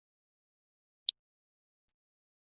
阿正把杯面设计成一个令人想拥抱的可爱外观。